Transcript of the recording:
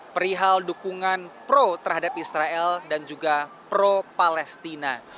perihal dukungan pro terhadap israel dan juga pro palestina